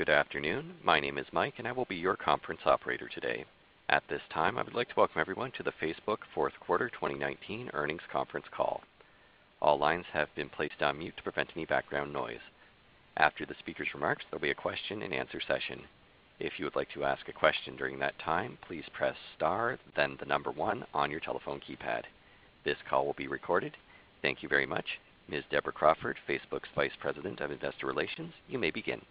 Good afternoon. My name is Mike, and I will be your conference operator today. At this time, I would like to welcome everyone to the Facebook fourth quarter 2019 earnings conference call. All lines have been placed on mute to prevent any background noise. After the speaker's remarks, there will be a question-and-answer session. If you would like to ask a question during that time, please press star, then the number 1 on your telephone keypad. This call will be recorded. Thank you very much. Ms. Deborah Crawford, Facebook's Vice President of Investor Relations, you may begin.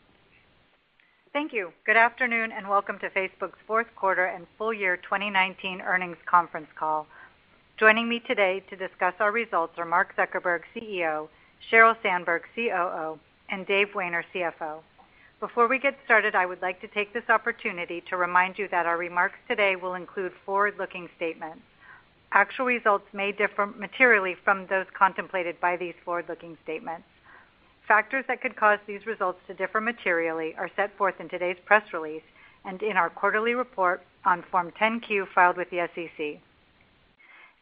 Thank you. Good afternoon. Welcome to Facebook's Fourth Quarter and Full Year 2019 Earnings Conference Call. Joining me today to discuss our results are Mark Zuckerberg, CEO; Sheryl Sandberg, COO; and Dave Wehner, CFO. Before we get started, I would like to take this opportunity to remind you that our remarks today will include forward-looking statements. Actual results may differ materially from those contemplated by these forward-looking statements. Factors that could cause these results to differ materially are set forth in today's press release and in our quarterly report on Form 10-Q filed with the SEC.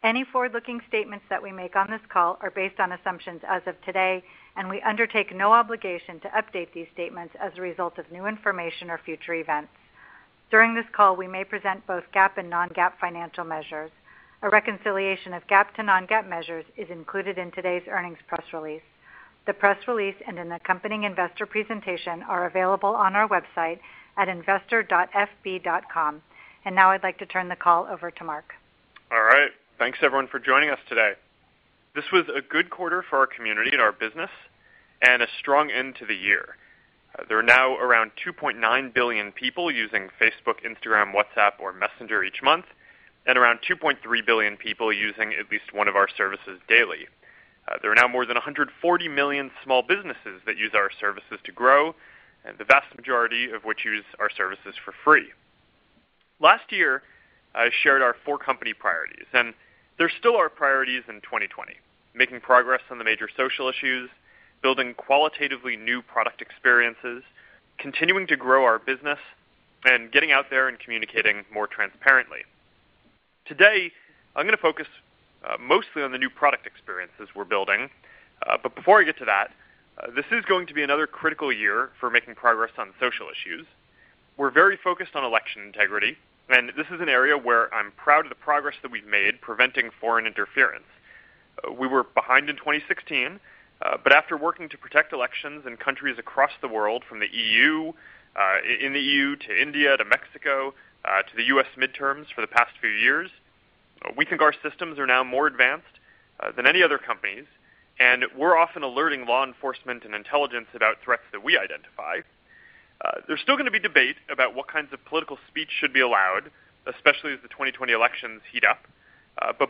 Any forward-looking statements that we make on this call are based on assumptions as of today, and we undertake no obligation to update these statements as a result of new information or future events. During this call, we may present both GAAP and non-GAAP financial measures. A reconciliation of GAAP to non-GAAP measures is included in today's earnings press release. The press release and an accompanying investor presentation are available on our website at investor.fb.com. Now I'd like to turn the call over to Mark. All right. Thanks, everyone, for joining us today. This was a good quarter for our community and our business and a strong end to the year. There are now around 2.9 billion people using Facebook, Instagram, WhatsApp, or Messenger each month and around 2.3 billion people using at least one of our services daily. There are now more than 140 million small businesses that use our services to grow, the vast majority of which use our services for free. Last year, I shared our four company priorities, and they're still our priorities in 2020. Making progress on the major social issues, building qualitatively new product experiences, continuing to grow our business, and getting out there and communicating more transparently. Today, I'm going to focus mostly on the new product experiences we're building. Before I get to that, this is going to be another critical year for making progress on social issues. We're very focused on election integrity, and this is an area where I'm proud of the progress that we've made preventing foreign interference. We were behind in 2016, but after working to protect elections in countries across the world, in the EU to India to Mexico, to the U.S. midterms for the past few years, we think our systems are now more advanced than any other companies, and we're often alerting law enforcement and intelligence about threats that we identify. There's still going to be debate about what kinds of political speech should be allowed, especially as the 2020 elections heat up.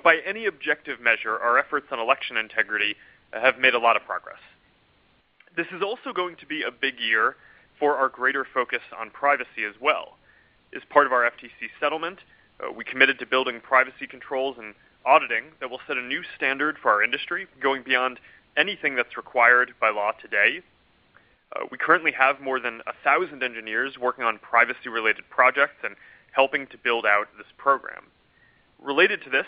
By any objective measure, our efforts on election integrity have made a lot of progress. This is also going to be a big year for our greater focus on privacy as well. As part of our FTC settlement, we committed to building privacy controls and auditing that will set a new standard for our industry, going beyond anything that's required by law today. We currently have more than 1,000 engineers working on privacy-related projects and helping to build out this program. Related to this,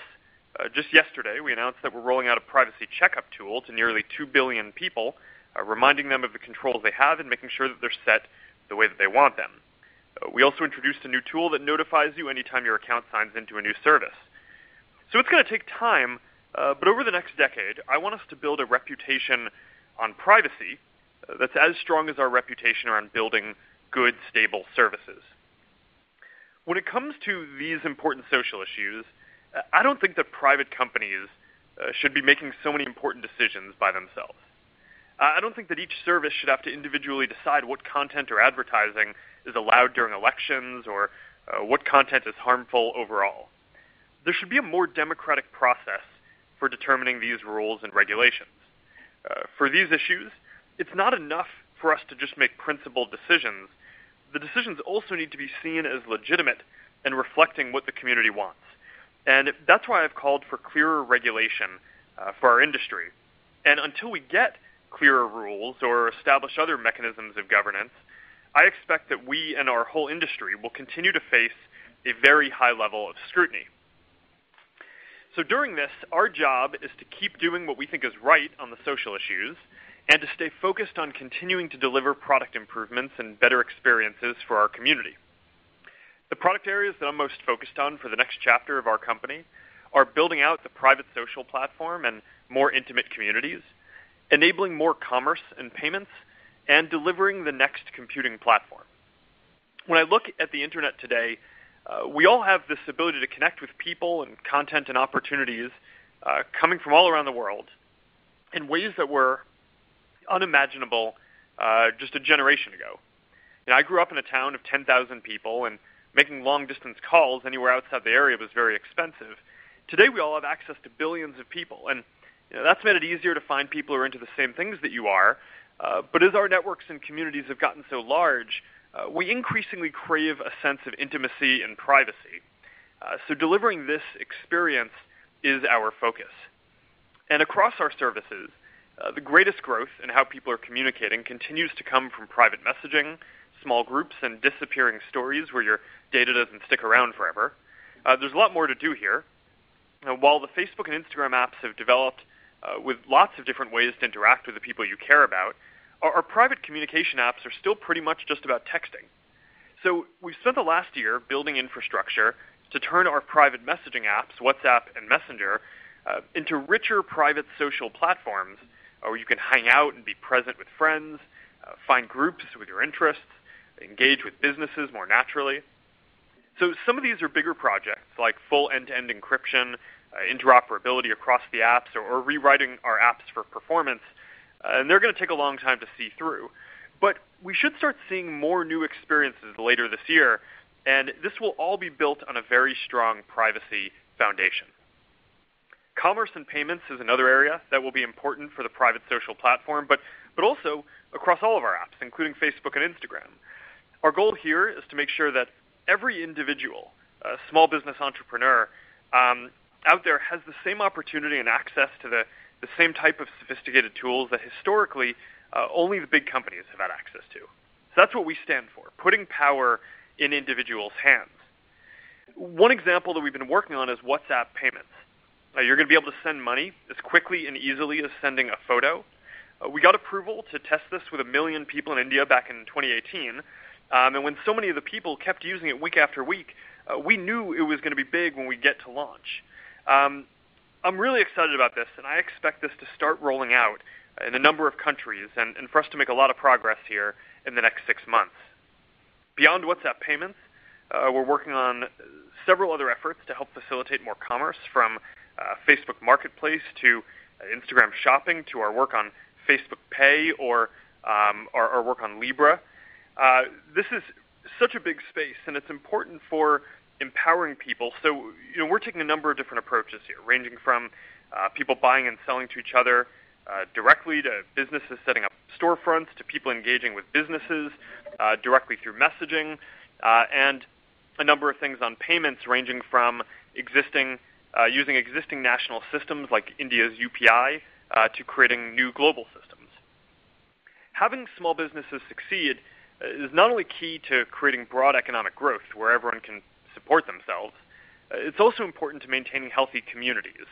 just yesterday, we announced that we're rolling out a Privacy Checkup tool to nearly 2 billion people, reminding them of the controls they have and making sure that they're set the way that they want them. We also introduced a new tool that notifies you anytime your account signs into a new service. It's going to take time, but over the next decade, I want us to build a reputation on privacy that's as strong as our reputation around building good, stable services. When it comes to these important social issues, I don't think that private companies should be making so many important decisions by themselves. I don't think that each service should have to individually decide what content or advertising is allowed during elections or what content is harmful overall. There should be a more democratic process for determining these rules and regulations. For these issues, it's not enough for us to just make principled decisions. The decisions also need to be seen as legitimate and reflecting what the community wants. That's why I've called for clearer regulation for our industry. Until we get clearer rules or establish other mechanisms of governance, I expect that we and our whole industry will continue to face a very high level of scrutiny. During this, our job is to keep doing what we think is right on the social issues and to stay focused on continuing to deliver product improvements and better experiences for our community. The product areas that I'm most focused on for the next chapter of our company are building out the private social platform and more intimate communities, enabling more commerce and payments, and delivering the next computing platform. When I look at the internet today, we all have this ability to connect with people and content and opportunities coming from all around the world in ways that were unimaginable just a generation ago. I grew up in a town of 10,000 people, and making long-distance calls anywhere outside the area was very expensive. Today, we all have access to billions of people, and that's made it easier to find people who are into the same things that you are. As our networks and communities have gotten so large, we increasingly crave a sense of intimacy and privacy. Delivering this experience is our focus. Across our services, the greatest growth in how people are communicating continues to come from private messaging, small groups, and disappearing Stories where your data doesn't stick around forever. There's a lot more to do here. While the Facebook and Instagram apps have developed with lots of different ways to interact with the people you care about, our private communication apps are still pretty much just about texting. We've spent the last year building infrastructure to turn our private messaging apps, WhatsApp and Messenger, into richer private social platforms where you can hang out and be present with friends, find groups with your interests, engage with businesses more naturally. Some of these are bigger projects, like full end-to-end encryption, interoperability across the apps, or rewriting our apps for performance, and they're going to take a long time to see through. We should start seeing more new experiences later this year, and this will all be built on a very strong privacy foundation. Commerce and payments is another area that will be important for the private social platform, but also across all of our apps, including Facebook and Instagram. Our goal here is to make sure that every individual small business entrepreneur out there has the same opportunity and access to the same type of sophisticated tools that historically only the big companies have had access to. That's what we stand for, putting power in individuals' hands. One example that we've been working on is WhatsApp Payments. You're going to be able to send money as quickly and easily as sending a photo. We got approval to test this with 1 million people in India back in 2018. When so many of the people kept using it week after week, we knew it was going to be big when we get to launch. I'm really excited about this, and I expect this to start rolling out in a number of countries and for us to make a lot of progress here in the next six months. Beyond WhatsApp Payments, we're working on several other efforts to help facilitate more commerce, from Facebook Marketplace to Instagram Shopping to our work on Facebook Pay or our work on Libra. This is such a big space, and it's important for empowering people. We're taking a number of different approaches here, ranging from people buying and selling to each other directly, to businesses setting up storefronts, to people engaging with businesses directly through messaging, and a number of things on payments, ranging from using existing national systems like India's UPI, to creating new global systems. Having small businesses succeed is not only key to creating broad economic growth where everyone can support themselves, it's also important to maintaining healthy communities,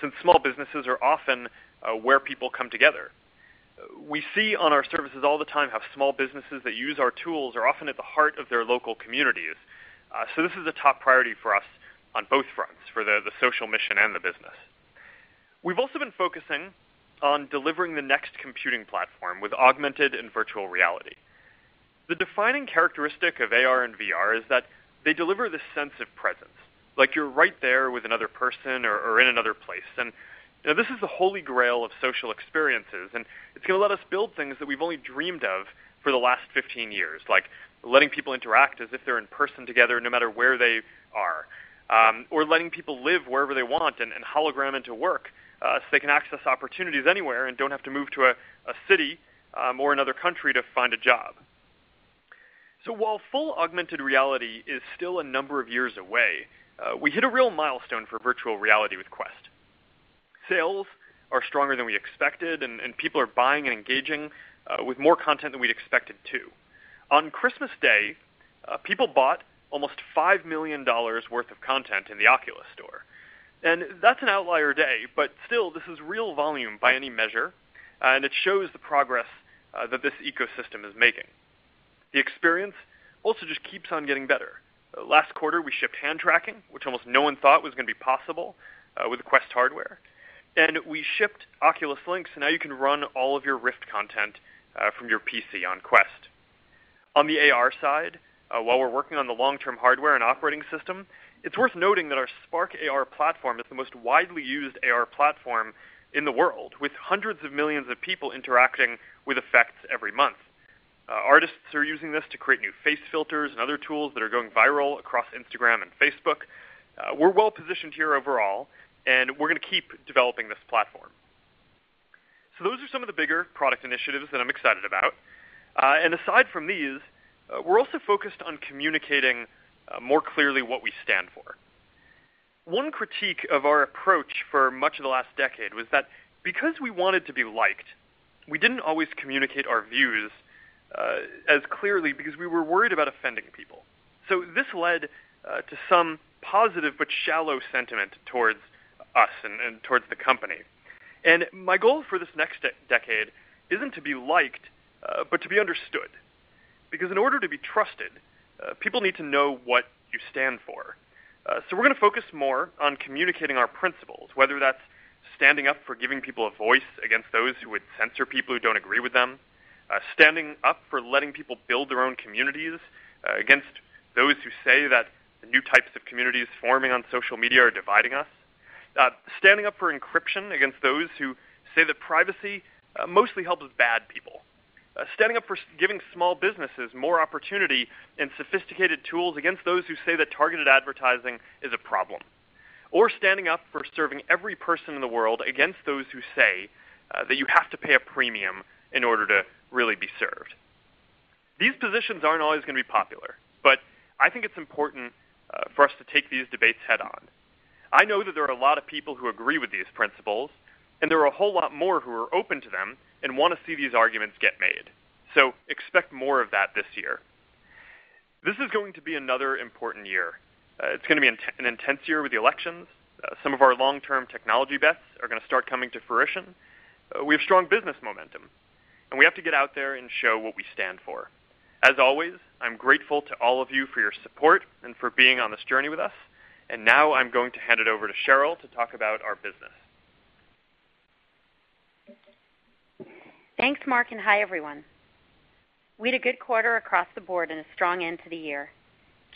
since small businesses are often where people come together. We see on our services all the time how small businesses that use our tools are often at the heart of their local communities. This is a top priority for us on both fronts, for the social mission and the business. We've also been focusing on delivering the next computing platform with augmented and virtual reality. The defining characteristic of AR and VR is that they deliver this sense of presence, like you're right there with another person or in another place. This is the Holy Grail of social experiences, it's going to let us build things that we've only dreamed of for the last 15 years, like letting people interact as if they're in person together, no matter where they are. Letting people live wherever they want and hologram into work, so they can access opportunities anywhere and don't have to move to a city or another country to find a job. While full augmented reality is still a number of years away, we hit a real milestone for virtual reality with Quest. Sales are stronger than we expected, and people are buying and engaging with more content than we'd expected, too. On Christmas Day, people bought almost $5 million worth of content in the Oculus store. That's an outlier day, but still, this is real volume by any measure, and it shows the progress that this ecosystem is making. The experience also just keeps on getting better. Last quarter, we shipped hand tracking, which almost no one thought was going to be possible with the Quest hardware, and we shipped Oculus Link, so now you can run all of your Rift content from your PC on Quest. On the AR side, while we're working on the long-term hardware and operating system, it's worth noting that our Spark AR platform is the most widely used AR platform in the world, with hundreds of millions of people interacting with effects every month. Artists are using this to create new face filters and other tools that are going viral across Instagram and Facebook. We're well-positioned here overall, and we're going to keep developing this platform. Those are some of the bigger product initiatives that I'm excited about. Aside from these, we're also focused on communicating more clearly what we stand for. One critique of our approach for much of the last decade was that because we wanted to be liked, we didn't always communicate our views as clearly because we were worried about offending people. This led to some positive but shallow sentiment towards us and towards the company. My goal for this next decade isn't to be liked, but to be understood. In order to be trusted, people need to know what you stand for. We're going to focus more on communicating our principles, whether that's standing up for giving people a voice against those who would censor people who don't agree with them, standing up for letting people build their own communities against those who say that new types of communities forming on social media are dividing us, standing up for encryption against those who say that privacy mostly helps bad people, standing up for giving small businesses more opportunity and sophisticated tools against those who say that targeted advertising is a problem, or standing up for serving every person in the world against those who say that you have to pay a premium in order to really be served. These positions aren't always going to be popular, but I think it's important for us to take these debates head-on. I know that there are a lot of people who agree with these principles, and there are a whole lot more who are open to them and want to see these arguments get made. Expect more of that this year. This is going to be another important year. It's going to be an intense year with the elections. Some of our long-term technology bets are going to start coming to fruition. We have strong business momentum, and we have to get out there and show what we stand for. As always, I'm grateful to all of you for your support and for being on this journey with us. Now I'm going to hand it over to Sheryl to talk about our business. Thanks, Mark, and hi, everyone. We had a good quarter across the board and a strong end to the year.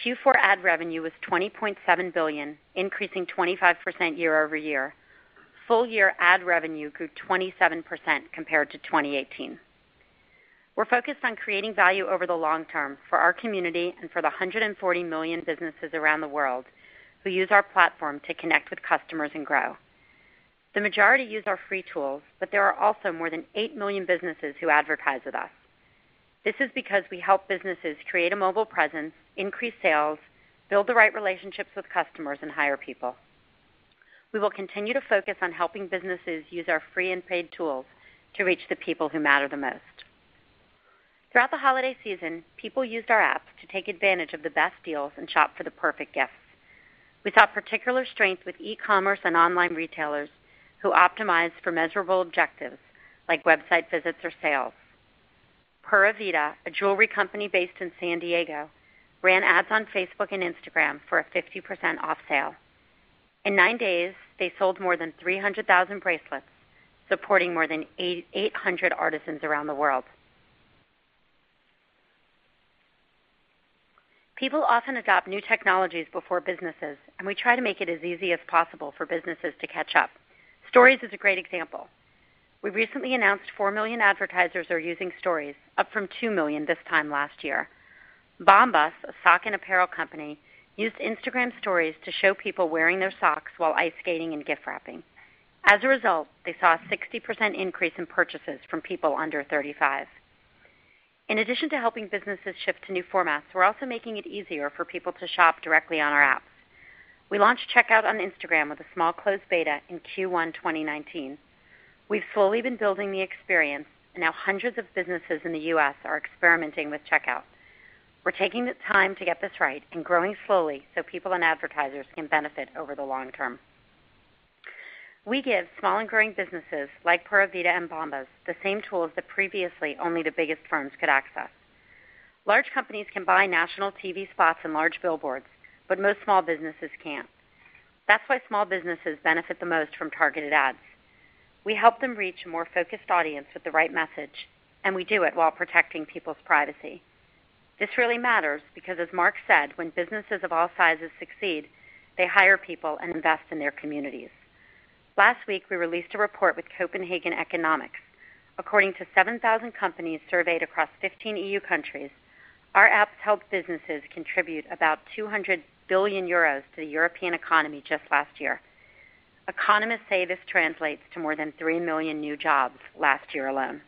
Q4 ad revenue was $20.7 billion, increasing 25% year-over-year. Full year ad revenue grew 27% compared to 2018. We're focused on creating value over the long term for our community and for the 140 million businesses around the world who use our platform to connect with customers and grow. The majority use our free tools. There are also more than 8 million businesses who advertise with us. This is because we help businesses create a mobile presence, increase sales, build the right relationships with customers, and hire people. We will continue to focus on helping businesses use our free and paid tools to reach the people who matter the most. Throughout the holiday season, people used our apps to take advantage of the best deals and shop for the perfect gifts. We saw particular strength with e-commerce and online retailers who optimized for measurable objectives like website visits or sales. Pura Vida, a jewelry company based in San Diego, ran ads on Facebook and Instagram for a 50% off sale. In nine days, they sold more than 300,000 bracelets, supporting more than 800 artisans around the world. People often adopt new technologies before businesses. We try to make it as easy as possible for businesses to catch up. Stories is a great example. We recently announced four million advertisers are using Stories, up from two million this time last year. Bombas, a sock and apparel company, used Instagram Stories to show people wearing their socks while ice skating and gift wrapping. As a result, they saw a 60% increase in purchases from people under 35. In addition to helping businesses shift to new formats, we're also making it easier for people to shop directly on our apps. We launched Checkout on Instagram with a small closed beta in Q1 2019. We've slowly been building the experience, and now hundreds of businesses in the U.S. are experimenting with Checkout. We're taking the time to get this right and growing slowly so people and advertisers can benefit over the long term. We give small and growing businesses like Pura Vida and Bombas the same tools that previously only the biggest firms could access. Large companies can buy national TV spots and large billboards, but most small businesses can't. That's why small businesses benefit the most from targeted ads. We help them reach a more focused audience with the right message, and we do it while protecting people's privacy. This really matters because, as Mark said, when businesses of all sizes succeed, they hire people and invest in their communities. Last week, we released a report with Copenhagen Economics. According to 7,000 companies surveyed across 15 EU countries, our apps helped businesses contribute about 200 billion euros to the European economy just last year. Economists say this translates to more than 3 million new jobs last year alone.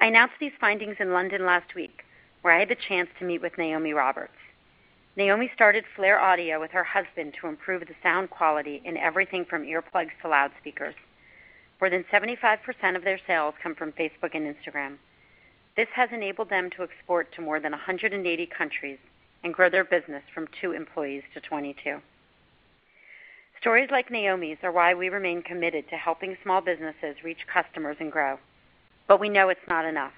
I announced these findings in London last week, where I had the chance to meet with Naomi Gleit. Naomi started Flare Audio with her husband to improve the sound quality in everything from earplugs to loudspeakers. More than 75% of their sales come from Facebook and Instagram. This has enabled them to export to more than 180 countries and grow their business from two employees to 22. Stories like Naomi's are why we remain committed to helping small businesses reach customers and grow. We know it's not enough.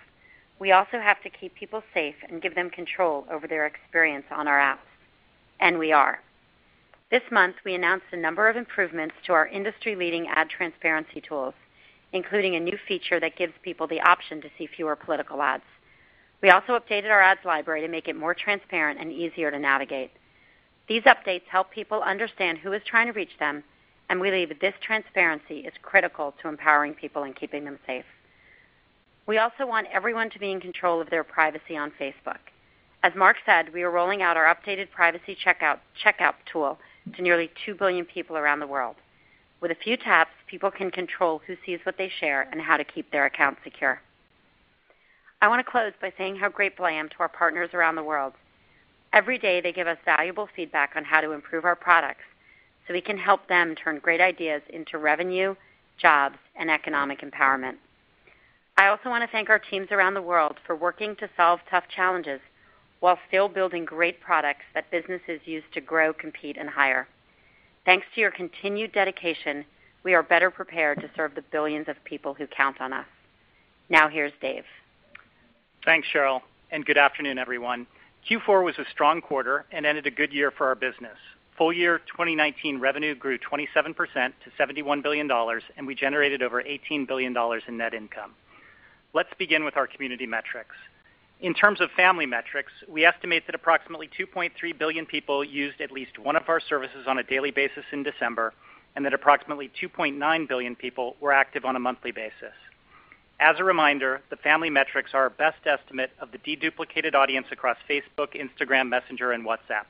We also have to keep people safe and give them control over their experience on our apps, and we are. This month, we announced a number of improvements to our industry-leading ad transparency tools, including a new feature that gives people the option to see fewer political ads. We also updated our ads library to make it more transparent and easier to navigate. These updates help people understand who is trying to reach them, and we believe that this transparency is critical to empowering people and keeping them safe. We also want everyone to be in control of their privacy on Facebook. As Mark said, we are rolling out our updated Privacy Checkup tool to nearly 2 billion people around the world. With a few taps, people can control who sees what they share and how to keep their account secure. I want to close by saying how grateful I am to our partners around the world. Every day, they give us valuable feedback on how to improve our products so we can help them turn great ideas into revenue, jobs, and economic empowerment. I also want to thank our teams around the world for working to solve tough challenges while still building great products that businesses use to grow, compete, and hire. Thanks to your continued dedication, we are better prepared to serve the billions of people who count on us. Now, here's Dave. Thanks, Sheryl, and good afternoon, everyone. Q4 was a strong quarter and ended a good year for our business. Full year 2019 revenue grew 27% to $71 billion, and we generated over $18 billion in net income. Let's begin with our community metrics. In terms of family metrics, we estimate that approximately 2.3 billion people used at least one of our services on a daily basis in December, and that approximately 2.9 billion people were active on a monthly basis. As a reminder, the family metrics are our best estimate of the de-duplicated audience across Facebook, Instagram, Messenger, and WhatsApp.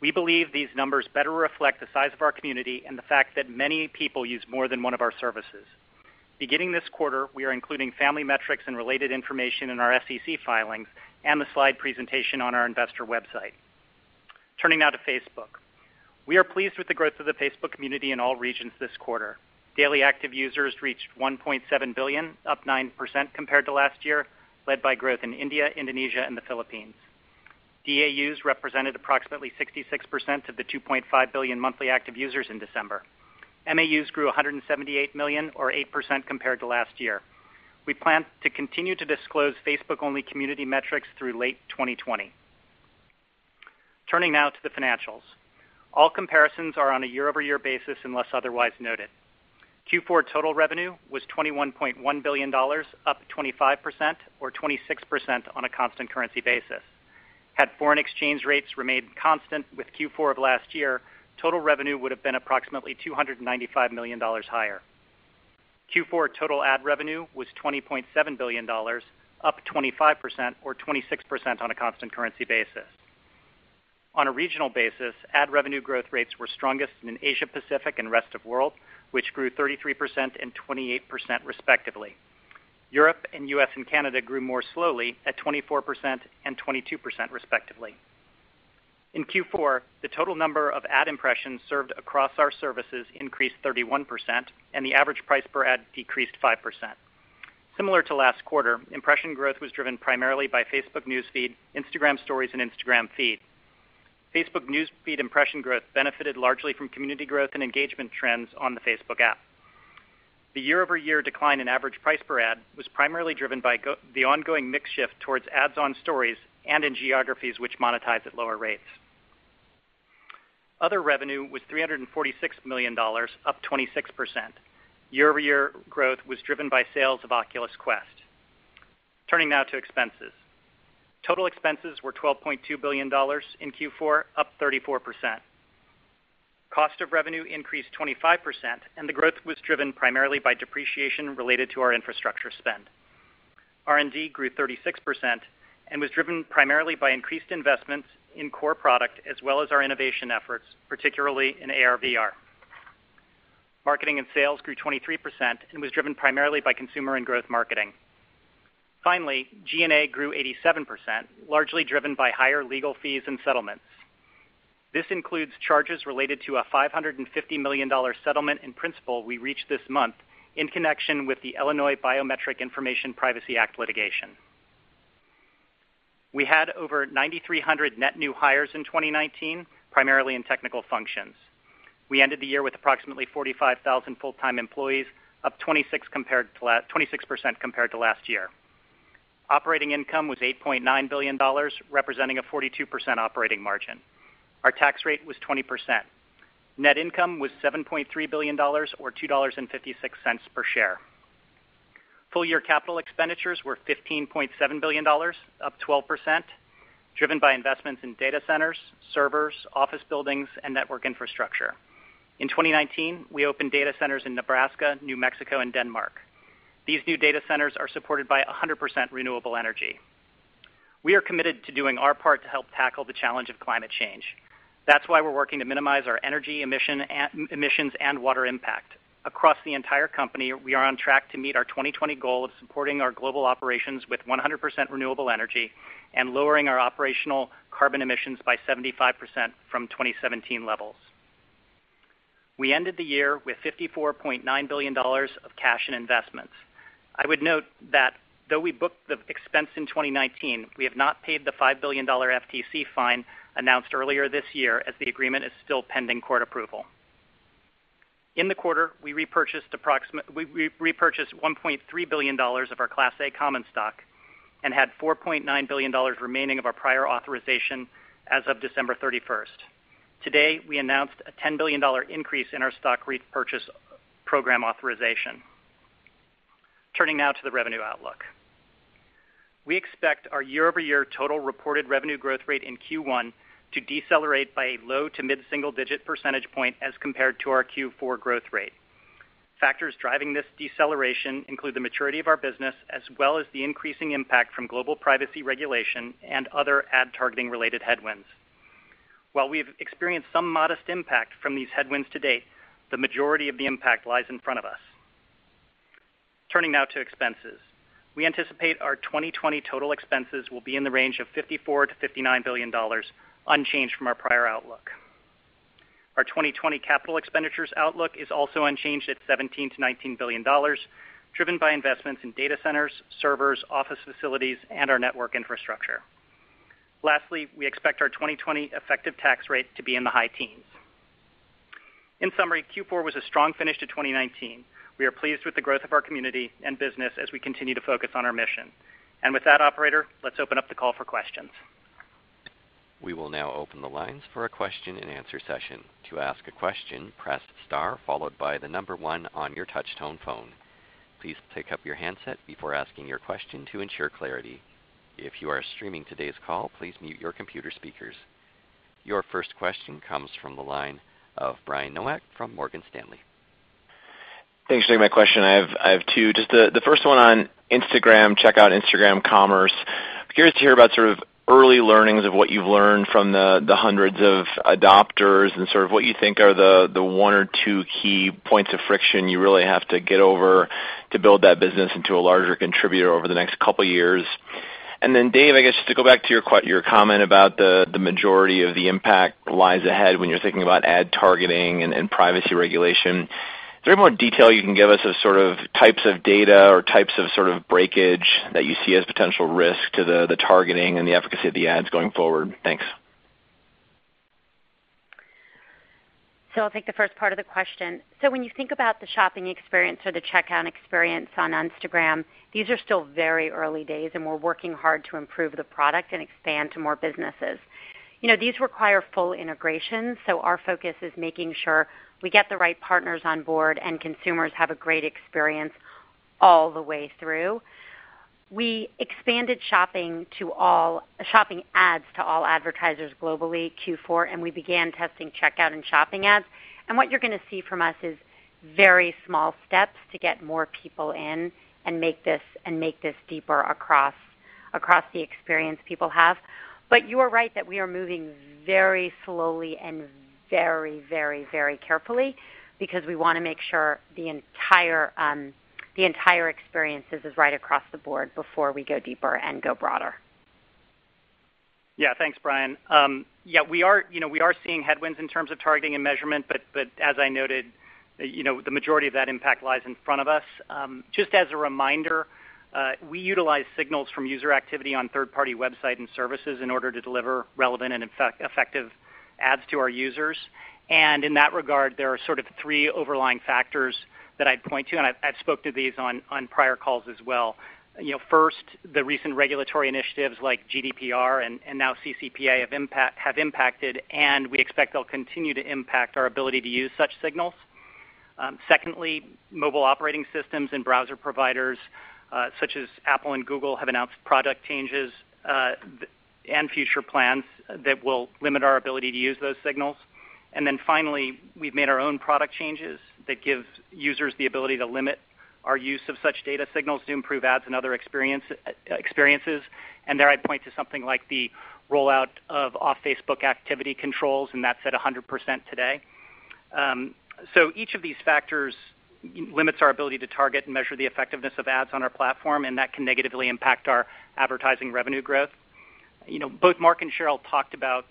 We believe these numbers better reflect the size of our community and the fact that many people use more than one of our services. Beginning this quarter, we are including family metrics and related information in our SEC filings and the slide presentation on our investor website. Turning now to Facebook. We are pleased with the growth of the Facebook community in all regions this quarter. Daily active users reached $1.7 billion, up 9% compared to last year, led by growth in India, Indonesia, and the Philippines. DAUs represented approximately 66% of the $2.5 billion monthly active users in December. MAUs grew $178 million, or 8% compared to last year. We plan to continue to disclose Facebook-only community metrics through late 2020. Turning now to the financials. All comparisons are on a year-over-year basis unless otherwise noted. Q4 total revenue was $21.1 billion, up 25%, or 26% on a constant currency basis. Had foreign exchange rates remained constant with Q4 of last year, total revenue would have been approximately $295 million higher. Q4 total ad revenue was $20.7 billion, up 25%, or 26% on a constant currency basis. On a regional basis, ad revenue growth rates were strongest in Asia Pacific and rest of world, which grew 33% and 28% respectively. Europe and U.S. and Canada grew more slowly at 24% and 22% respectively. In Q4, the total number of ad impressions served across our services increased 31%, and the average price per ad decreased 5%. Similar to last quarter, impression growth was driven primarily by Facebook News Feed, Instagram Stories, and Instagram Feed. Facebook News Feed impression growth benefited largely from community growth and engagement trends on the Facebook app. The year-over-year decline in average price per ad was primarily driven by the ongoing mix shift towards ads on Stories and in geographies which monetize at lower rates. Other revenue was $346 million, up 26%. Year-over-year growth was driven by sales of Oculus Quest. Turning now to expenses. Total expenses were $12.2 billion in Q4, up 34%. Cost of revenue increased 25%, and the growth was driven primarily by depreciation related to our infrastructure spend. R&D grew 36% and was driven primarily by increased investments in core product as well as our innovation efforts, particularly in AR/VR. Marketing and sales grew 23% and was driven primarily by consumer and growth marketing. Finally, G&A grew 87%, largely driven by higher legal fees and settlements. This includes charges related to a $550 million settlement in principle we reached this month in connection with the Illinois Biometric Information Privacy Act litigation. We had over 9,300 net new hires in 2019, primarily in technical functions. We ended the year with approximately 45,000 full-time employees, up 26% compared to last year. Operating income was $8.9 billion, representing a 42% operating margin. Our tax rate was 20%. Net income was $7.3 billion, or $2.56 per share. Full-year capital expenditures were $15.7 billion, up 12%, driven by investments in data centers, servers, office buildings, and network infrastructure. In 2019, we opened data centers in Nebraska, New Mexico, and Denmark. These new data centers are supported by 100% renewable energy. We are committed to doing our part to help tackle the challenge of climate change. That's why we're working to minimize our energy emissions and water impact. Across the entire company, we are on track to meet our 2020 goal of supporting our global operations with 100% renewable energy and lowering our operational carbon emissions by 75% from 2017 levels. We ended the year with $54.9 billion of cash and investments. I would note that though we booked the expense in 2019, we have not paid the $5 billion FTC fine announced earlier this year as the agreement is still pending court approval. In the quarter, we repurchased $1.3 billion of our Class A common stock and had $4.9 billion remaining of our prior authorization as of December 31st. Today, we announced a $10 billion increase in our stock repurchase program authorization. Turning now to the revenue outlook. We expect our year-over-year total reported revenue growth rate in Q1 to decelerate by a low to mid-single digit percentage point as compared to our Q4 growth rate. Factors driving this deceleration include the maturity of our business as well as the increasing impact from global privacy regulation and other ad targeting-related headwinds. While we've experienced some modest impact from these headwinds to date, the majority of the impact lies in front of us. Turning now to expenses. We anticipate our 2020 total expenses will be in the range of $54 billion-$59 billion, unchanged from our prior outlook. Our 2020 capital expenditures outlook is also unchanged at $17 billion-$19 billion, driven by investments in data centers, servers, office facilities, and our network infrastructure. Lastly, we expect our 2020 effective tax rate to be in the high teens. In summary, Q4 was a strong finish to 2019. We are pleased with the growth of our community and business as we continue to focus on our mission. With that, operator, let's open up the call for questions. We will now open the lines for a question and answer session. To ask a question, press star followed by the number one on your touch tone phone. Please pick up your handset before asking your question to ensure clarity. If you are streaming today's call, please mute your computer speakers. Your first question comes from the line of Brian Nowak from Morgan Stanley. Thanks for taking my question. I have two. Just the first one on Instagram, Checkout Instagram commerce. I'm curious to hear about sort of early learnings of what you've learned from the hundreds of adopters and sort of what you think are the one or two key points of friction you really have to get over to build that business into a larger contributor over the next couple years. Then Dave, I guess just to go back to your comment about the majority of the impact lies ahead when you're thinking about ad targeting and privacy regulation, is there any more detail you can give us of sort of types of data or types of sort of breakage that you see as potential risk to the targeting and the efficacy of the ads going forward? Thanks. I'll take the first part of the question. When you think about the shopping experience or the checkout experience on Instagram, these are still very early days, and we're working hard to improve the product and expand to more businesses. These require full integration, so our focus is making sure we get the right partners on board, and consumers have a great experience all the way through. We expanded shopping ads to all advertisers globally Q4, and we began testing checkout and shopping ads. What you're going to see from us is very small steps to get more people in and make this deeper across the experience people have. You are right that we are moving very slowly and very carefully because we want to make sure the entire experience is right across the board before we go deeper and go broader. Thanks, Brian. We are seeing headwinds in terms of targeting and measurement, but as I noted, the majority of that impact lies in front of us. Just as a reminder, we utilize signals from user activity on third-party website and services in order to deliver relevant and effective ads to our users. In that regard, there are sort of three overlying factors that I'd point to, and I've spoke to these on prior calls as well. First, the recent regulatory initiatives like GDPR and now CCPA, have impacted, and we expect they'll continue to impact our ability to use such signals. Secondly, mobile operating systems and browser providers, such as Apple and Google, have announced product changes, and future plans that will limit our ability to use those signals. Finally, we've made our own product changes that give users the ability to limit our use of such data signals to improve ads and other experiences. There I'd point to something like the rollout of Off-Facebook Activity controls, and that's at 100% today. Each of these factors limits our ability to target and measure the effectiveness of ads on our platform, and that can negatively impact our advertising revenue growth. Both Mark and Sheryl talked about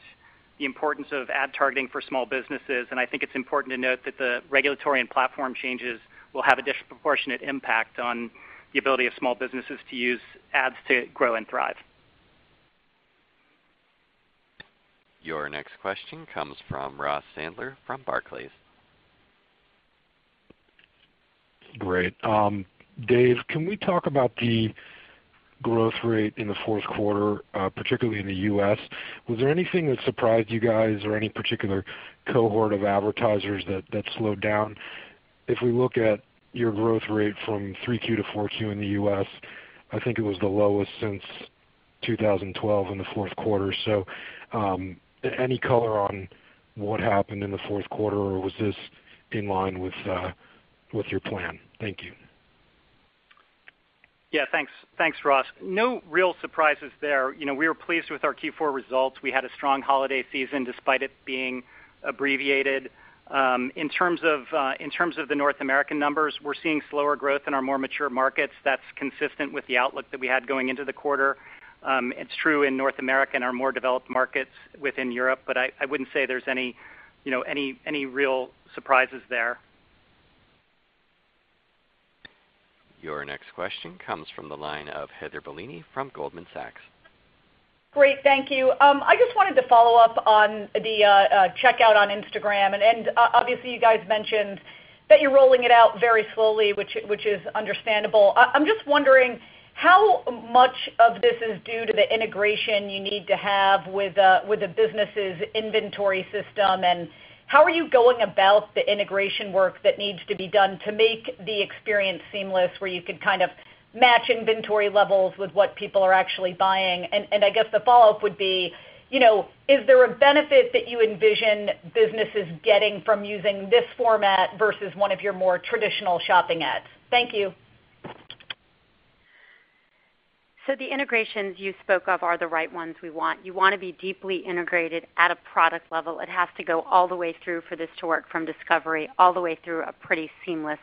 the importance of ad targeting for small businesses, and I think it's important to note that the regulatory and platform changes will have a disproportionate impact on the ability of small businesses to use ads to grow and thrive. Your next question comes from Ross Sandler from Barclays. Great. Dave, can we talk about the growth rate in the fourth quarter, particularly in the U.S.? Was there anything that surprised you guys or any particular cohort of advertisers that slowed down? If we look at your growth rate from Q3 to Q4 in the U.S., I think it was the lowest since 2012 in the fourth quarter. Any color on what happened in the fourth quarter, or was this in line with your plan? Thank you. Yeah. Thanks, Ross. No real surprises there. We were pleased with our Q4 results. We had a strong holiday season, despite it being abbreviated. In terms of the North American numbers, we're seeing slower growth in our more mature markets. That's consistent with the outlook that we had going into the quarter. It's true in North America and our more developed markets within Europe, but I wouldn't say there's any real surprises there. Your next question comes from the line of Heather Bellini from Goldman Sachs. Great, thank you. I just wanted to follow up on the Checkout on Instagram. Obviously, you guys mentioned that you're rolling it out very slowly, which is understandable. I'm just wondering how much of this is due to the integration you need to have with the business's inventory system. How are you going about the integration work that needs to be done to make the experience seamless, where you could kind of match inventory levels with what people are actually buying? I guess the follow-up would be, is there a benefit that you envision businesses getting from using this format versus one of your more traditional shopping ads? Thank you. The integrations you spoke of are the right ones we want. You want to be deeply integrated at a product level. It has to go all the way through for this to work, from discovery all the way through a pretty seamless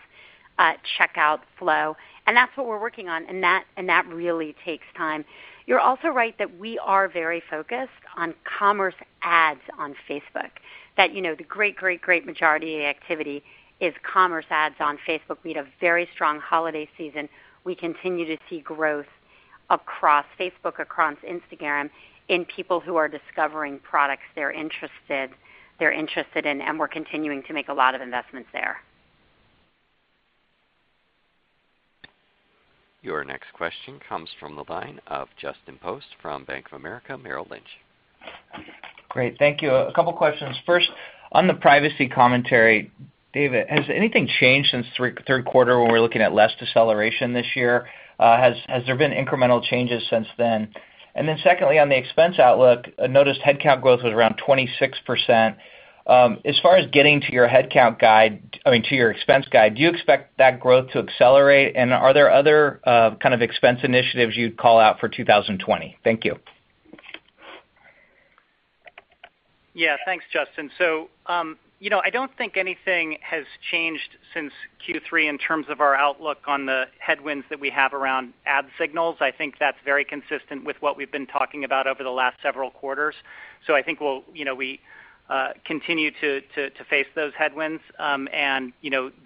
checkout flow. That's what we're working on, and that really takes time. You're also right that we are very focused on commerce ads on Facebook, that the great majority activity is commerce ads on Facebook. We had a very strong holiday season. We continue to see growth across Facebook, across Instagram, in people who are discovering products they're interested in, and we're continuing to make a lot of investments there. Your next question comes from the line of Justin Post from Bank of America Merrill Lynch. Great. Thank you. A couple questions. First, on the privacy commentary, David, has anything changed since third quarter when we're looking at less deceleration this year? Has there been incremental changes since then? Secondly, on the expense outlook, I noticed headcount growth was around 26%. As far as getting to your headcount guide, I mean to your expense guide, do you expect that growth to accelerate, and are there other kind of expense initiatives you'd call out for 2020? Thank you. Thanks, Justin. I don't think anything has changed since Q3 in terms of our outlook on the headwinds that we have around ad signals. I think that's very consistent with what we've been talking about over the last several quarters. I think we continue to face those headwinds, and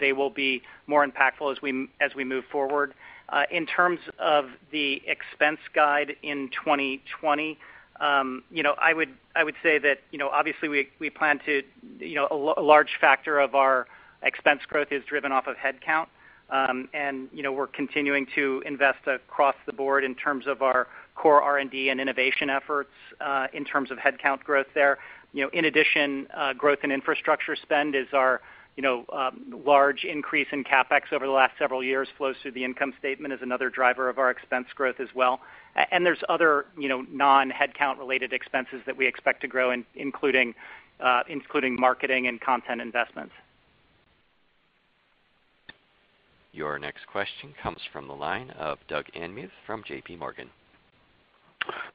they will be more impactful as we move forward. In terms of the expense guide in 2020, I would say that obviously a large factor of our expense growth is driven off of head count. We're continuing to invest across the board in terms of our core R&D and innovation efforts, in terms of head count growth there. In addition, growth in infrastructure spend is our large increase in CapEx over the last several years, flows through the income statement as another driver of our expense growth as well. There's other non-head count-related expenses that we expect to grow, including marketing and content investments. Your next question comes from the line of Doug Anmuth from J.P. Morgan.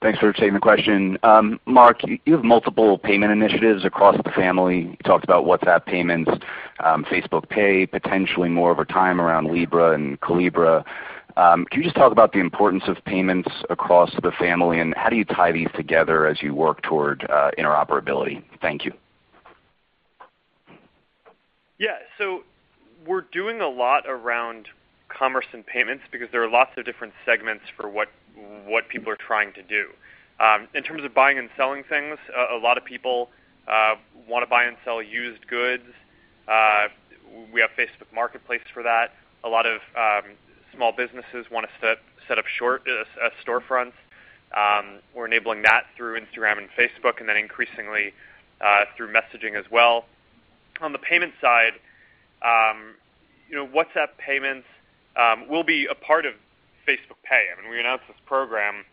Thanks for taking the question. Mark, you have multiple payment initiatives across the family. You talked about WhatsApp Payments, Facebook Pay, potentially more over time around Libra and Calibra. Can you just talk about the importance of payments across the family, how do you tie these together as you work toward interoperability? Thank you. Yeah. We're doing a lot around commerce and payments because there are lots of different segments for what people are trying to do. In terms of buying and selling things, a lot of people want to buy and sell used goods. We have Facebook Marketplace for that. A lot of small businesses want to set up storefronts. We're enabling that through Instagram and Facebook, and then increasingly, through messaging as well. On the payment side, WhatsApp Payments will be a part of Facebook Pay. I mean, we announced this program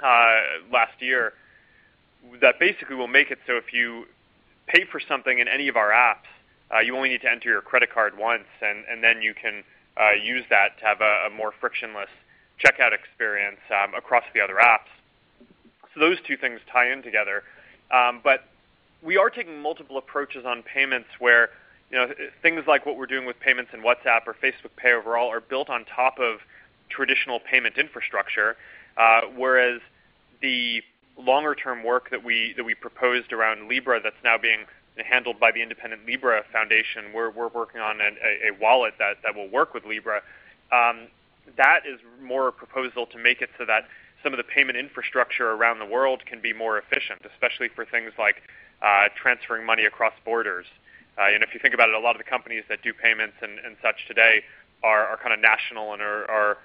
last year that basically will make it so if you pay for something in any of our apps, you only need to enter your credit card once, and then you can use that to have a more frictionless checkout experience across the other apps. Those two things tie in together. We are taking multiple approaches on payments where things like what we're doing with payments and WhatsApp or Facebook Pay overall are built on top of traditional payment infrastructure. The longer-term work that we proposed around Libra that's now being handled by the independent Libra Foundation, we're working on a wallet that will work with Libra. That is more a proposal to make it so that some of the payment infrastructure around the world can be more efficient, especially for things like transferring money across borders. If you think about it, a lot of the companies that do payments and such today are kind of national and are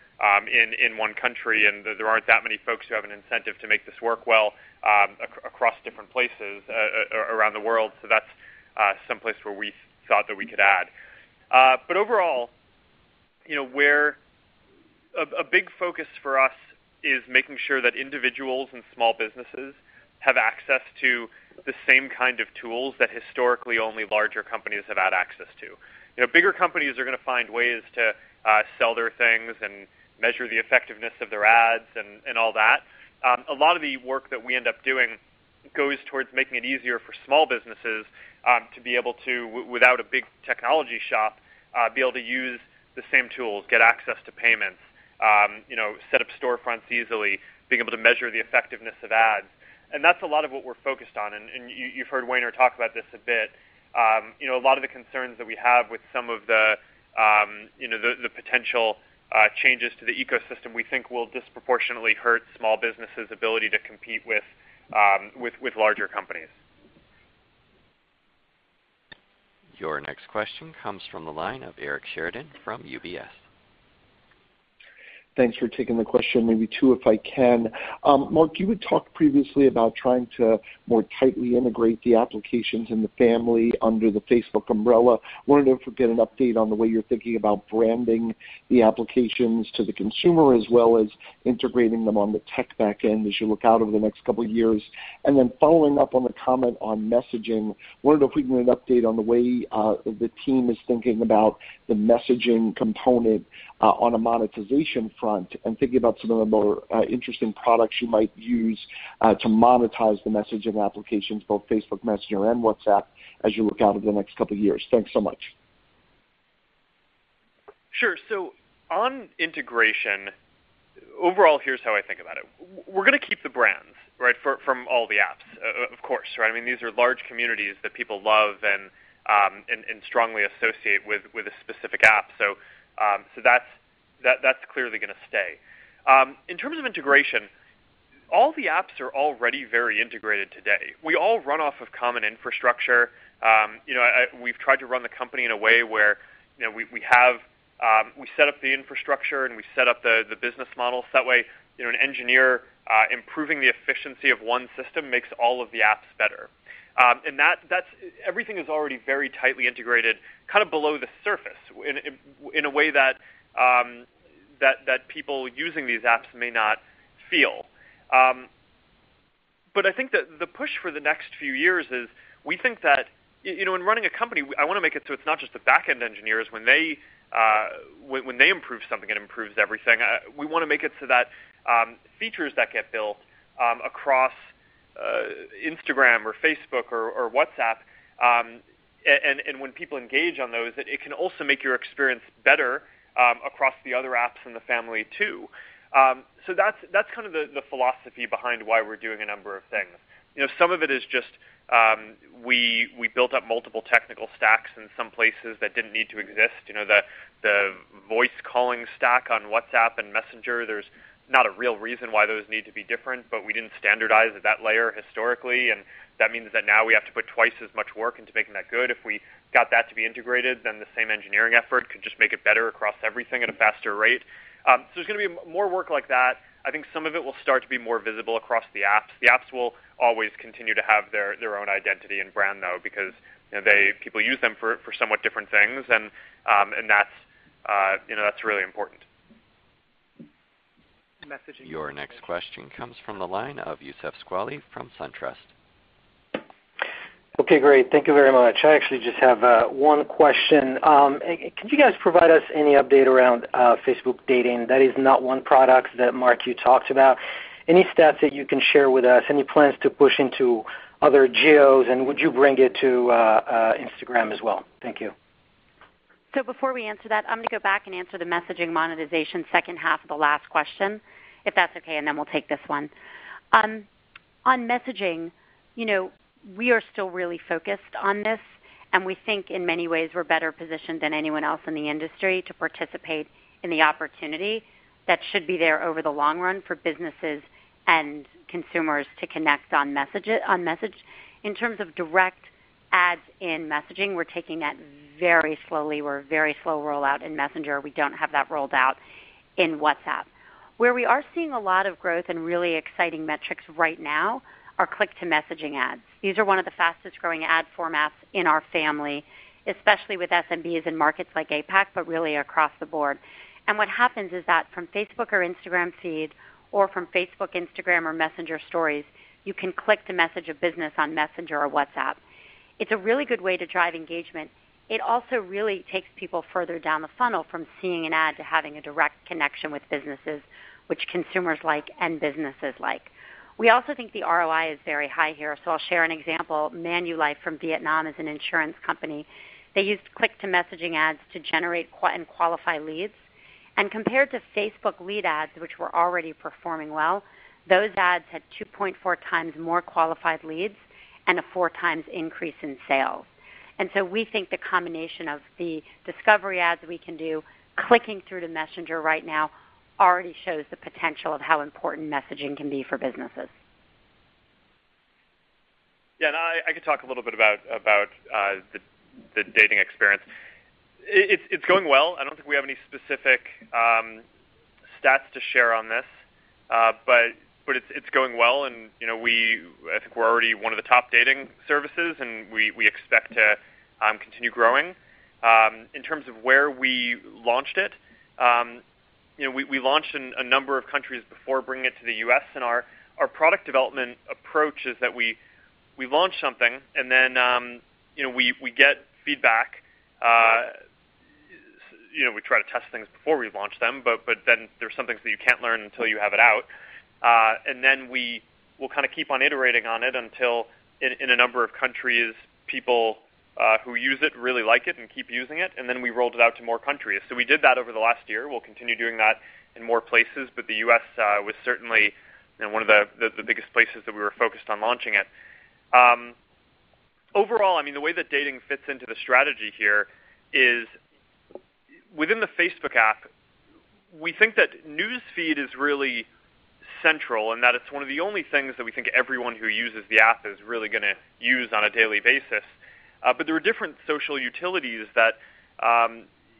in one country, and there aren't that many folks who have an incentive to make this work well across different places around the world. That's someplace where we thought that we could add. Overall, a big focus for us is making sure that individuals and small businesses have access to the same kind of tools that historically only larger companies have had access to. Bigger companies are going to find ways to sell their things and measure the effectiveness of their ads and all that. A lot of the work that we end up doing goes towards making it easier for small businesses to be able to, without a big technology shop, be able to use the same tools, get access to payments, set up storefronts easily, being able to measure the effectiveness of ads. That's a lot of what we're focused on, and you've heard Wahner talk about this a bit. A lot of the concerns that we have with some of the potential changes to the ecosystem we think will disproportionately hurt small businesses' ability to compete with larger companies. Your next question comes from the line of Eric Sheridan from UBS. Thanks for taking the question. Maybe two, if I can. Mark, you had talked previously about trying to more tightly integrate the applications in the family under the Facebook umbrella. I wanted to get an update on the way you're thinking about branding the applications to the consumer, as well as integrating them on the tech back end as you look out over the next couple of years. Following up on the comment on messaging, I wanted to know if we can get an update on the way the team is thinking about the messaging component on a monetization front and thinking about some of the more interesting products you might use to monetize the messaging applications, both Facebook Messenger and WhatsApp, as you look out over the next couple of years. Thanks so much. Sure. On integration, overall, here's how I think about it. We're going to keep the brands, right? From all the apps, of course, right? I mean, these are large communities that people love and strongly associate with a specific app. That's clearly going to stay. In terms of integration, all the apps are already very integrated today. We all run off of common infrastructure. We've tried to run the company in a way where we set up the infrastructure, and we set up the business model, that way an engineer improving the efficiency of one system makes all of the apps better. Everything is already very tightly integrated, kind of below the surface in a way that people using these apps may not feel. I think that the push for the next few years is in running a company, I want to make it so it's not just the back-end engineers, when they improve something, it improves everything. We want to make it so that features that get built across Instagram or Facebook or WhatsApp, and when people engage on those, it can also make your experience better across the other apps in the family too. So that's kind of the philosophy behind why we're doing a number of things. Some of it is just we built up multiple technical stacks in some places that didn't need to exist. The voice calling stack on WhatsApp and Messenger, there's not a real reason why those need to be different, but we didn't standardize at that layer historically. That means that now we have to put twice as much work into making that good. If we got that to be integrated, then the same engineering effort could just make it better across everything at a faster rate. There's going to be more work like that. I think some of it will start to be more visible across the apps. The apps will always continue to have their own identity and brand, though, because people use them for somewhat different things, and that's really important. Your next question comes from the line of Youssef Squali from SunTrust. Okay. Great. Thank you very much. I actually just have one question. Could you guys provide us any update around Facebook Dating? That is not one product that, Mark, you talked about. Any stats that you can share with us? Any plans to push into other geos, and would you bring it to Instagram as well? Thank you. Before we answer that, I'm going to go back and answer the messaging monetization second half of the last question, if that's okay. We'll take this one. On messaging, we are still really focused on this, and we think in many ways we're better positioned than anyone else in the industry to participate in the opportunity that should be there over the long run for businesses and consumers to connect on message. In terms of direct ads in messaging, we're taking that very slowly. We're very slow rollout in Messenger. We don't have that rolled out in WhatsApp. Where we are seeing a lot of growth and really exciting metrics right now are click-to-messaging ads. These are one of the fastest-growing ad formats in our family, especially with SMBs in markets like APAC, but really across the board. What happens is that from Facebook or Instagram Feed or from Facebook, Instagram, or Messenger Stories, you can click to message a business on Messenger or WhatsApp. It's a really good way to drive engagement. It also really takes people further down the funnel from seeing an ad to having a direct connection with businesses, which consumers like and businesses like. We also think the ROI is very high here. I'll share an example. Manulife from Vietnam is an insurance company. They used click-to-messaging ads to generate and qualify leads. Compared to Facebook lead ads, which were already performing well, those ads had 2.4x more qualified leads and a 4x increase in sales. We think the combination of the discovery ads we can do clicking through to Messenger right now already shows the potential of how important messaging can be for businesses. I could talk a little bit about the dating experience. It's going well. I don't think we have any specific stats to share on this. It's going well, and I think we're already one of the top dating services, and we expect to continue growing. In terms of where we launched it, we launched in a number of countries before bringing it to the U.S., and our product development approach is that we launch something and then we get feedback. We try to test things before we launch them, there's some things that you can't learn until you have it out. We will kind of keep on iterating on it until in a number of countries, people who use it really like it and keep using it, and then we rolled it out to more countries. We did that over the last year. We'll continue doing that in more places, but the U.S. was certainly one of the biggest places that we were focused on launching it. Overall, the way that dating fits into the strategy here is within the Facebook app, we think that News Feed is really central and that it's one of the only things that we think everyone who uses the app is really going to use on a daily basis. There are different social utilities that